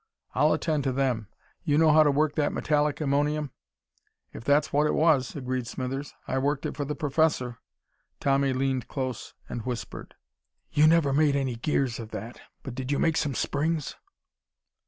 "I'll attend to them. You know how to work that metallic ammonium?" "If that's what it was," agreed Smithers. "I worked it for the Professor." Tommy leaned close and whispered: "You never made any gears of that. But did you make some springs?"